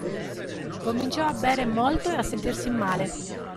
Cominciò a bere molto e a sentirsi male.